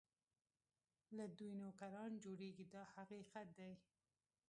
له دوی نوکران جوړېږي دا حقیقت دی.